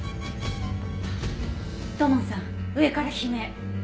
土門さん上から悲鳴。